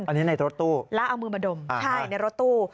อันนี้ในรถตู้แล้วเอามือมาดมใช่ในรถตู้